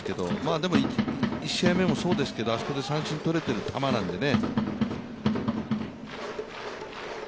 でも１試合目もそうですけど、あそこで三振を取れている球なんでね。